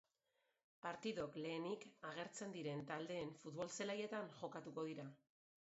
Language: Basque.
Partidok lehenik agertzen diren taldeen futbol-zelaietan jokatuko dira.